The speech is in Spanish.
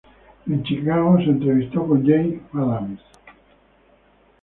En Chicago se entrevistó con Jane Addams.